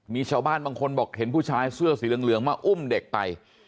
มีชาวบ้านบางคนบอกเห็นผู้ชายเสื้อสีเหลืองมาอุ้มเด็กไป